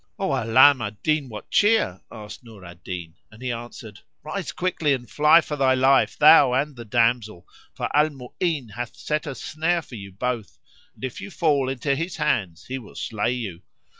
'"[FN#39] "O Alam al Din what cheer?" asked Nur al Din, and he answered, "Rise quickly and fly for thy life, thou and the damsel; for Al Mu'ín hath set a snare for you both; and, if you fall into his hands, he will slay you.